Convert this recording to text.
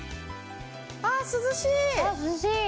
あ涼しい。